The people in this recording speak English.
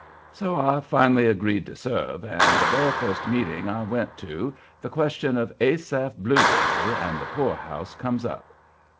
So I finally agreed to serve, and the very first meeting I went to, the question of Asaph Blueworthy and the poorhouse comes up.